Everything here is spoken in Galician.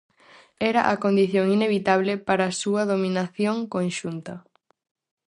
Era a condición inevitable para súa dominación conxunta.